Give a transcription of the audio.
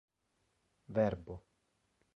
verbo